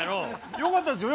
よかったですよね。